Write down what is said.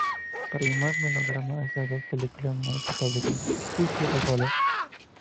Pero llamar melodrama a estas dos películas no es establecer un juicio de valor.